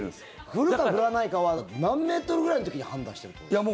振るか振らないかは何メートルぐらいの時に判断してるってことですか。